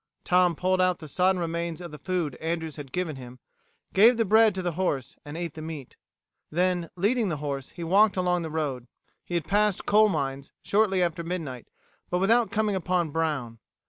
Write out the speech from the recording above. Tom pulled out the sodden remains of the food Andrews had given him, gave the bread to the horse and ate the meat. Then, leading the horse, he walked along the road. He had passed Coal Mines shortly after midnight, but without coming upon Brown.